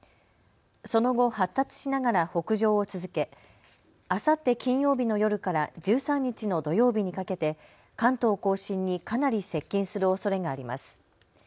その後、発達しながら北上を続けあさって金曜日の夜から１３日の土曜日にかけて関東甲信にかなり接近するおそれがあります。